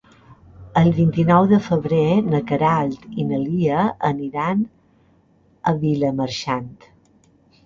El vint-i-nou de febrer na Queralt i na Lia aniran a Vilamarxant.